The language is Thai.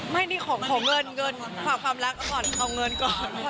ไม่นี่ของเงินเงินความรักก่อนเอาเงินก่อนแหละ